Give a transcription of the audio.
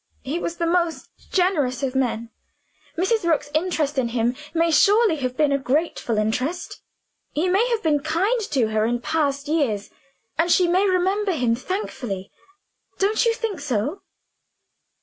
"He was the most generous of men; Mrs. Rook's interest in him may surely have been a grateful interest. He may have been kind to her in past years and she may remember him thankfully. Don't you think so?"